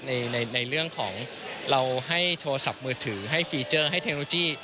ในในเรื่องของเราให้โทรศัพท์มือถือให้ฟีเจอร์ให้เทคโนโลยี